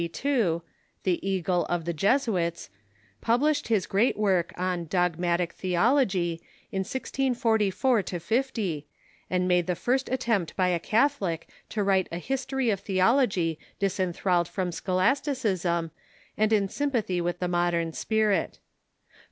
g^ 1652), "the eagle of the Jesuits," pub lished his great Avork on "Dogmatic Theology" in 1644 50, and made the fii'st attempt by a Catholic to write a history of theology disenthralled from scholasticism and in s^anpathy with the modern spirit.